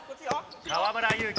河村勇輝